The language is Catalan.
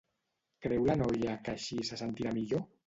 Creu la noia que així se sentirà millor?